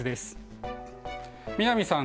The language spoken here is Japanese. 南さん